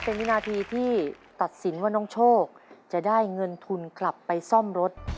เป็นวินาทีที่ตัดสินว่าน้องโชคจะได้เงินทุนกลับไปซ่อมรถ